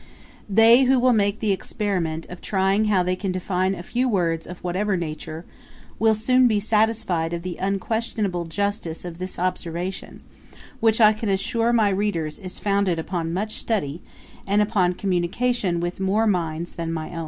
They, who will make the experiment of trying how they can define a few words of whatever nature, will soon be satisfied of the unquestionable justice of this observation, which I can assure my readers is founded upon much study, and upon communication with more minds than my own.